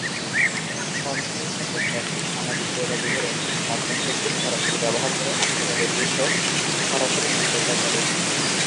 সন্দেহভাজন ব্যক্তি সামাজিক যোগাযোগের অন্যতম মাধ্যম ফেসবুক সরাসরি ব্যবহার করে আক্রমণের দৃশ্য সরাসরি সম্প্রচার করেন।